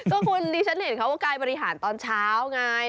ก็คุณดิฉันเห็นเขาว่ากายบริหารตอนเช้าไง